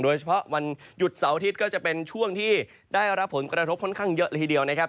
วันหยุดเสาร์อาทิตย์ก็จะเป็นช่วงที่ได้รับผลกระทบค่อนข้างเยอะเลยทีเดียวนะครับ